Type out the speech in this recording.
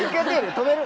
止める？